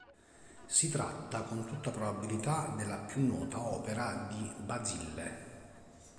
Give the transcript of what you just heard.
Si tratta con tutta probabilità della più nota opera di Bazille.